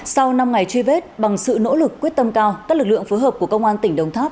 sau năm ngày truy vết bằng sự nỗ lực quyết tâm cao các lực lượng phối hợp của công an tỉnh đồng tháp